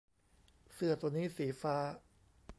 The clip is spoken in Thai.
เสื้อตัวนี้สีฟ้า